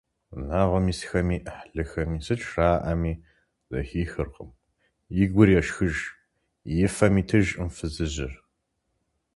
Унагъуэм исхэми Ӏыхьлыхэми сыт жраӀэми зэхихыркъым - и гур ешхыж, и фэм итыжкъым фызыжьыр.